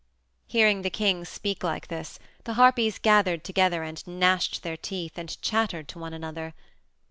Hearing the king speak like this, the Harpies gathered together and gnashed with their teeth, and chattered to one another.